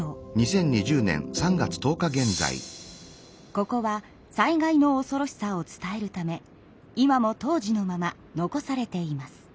ここは災害のおそろしさを伝えるため今も当時のまま残されています。